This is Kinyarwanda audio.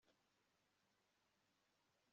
abana bombi bapfuye bizagenda bite